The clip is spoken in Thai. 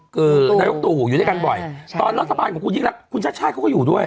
คือนายกตู่อยู่ด้วยกันบ่อยตอนรัฐบาลของคุณยิ่งรักคุณชาติชาติเขาก็อยู่ด้วย